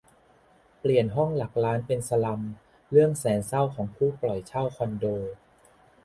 เปลี่ยน 'ห้องหลักล้าน' เป็น 'สลัม' เรื่องแสนเศร้าของผู้ปล่อยเช่าคอนโด